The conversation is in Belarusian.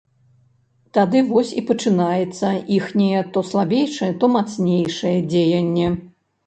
Тады вось і пачынаецца іхняе то слабейшае, то мацнейшае дзеянне.